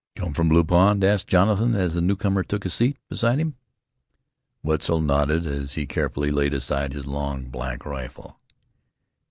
"Come from Blue Pond?" asked Jonathan as the newcomer took a seat beside him. Wetzel nodded as he carefully laid aside his long, black rifle.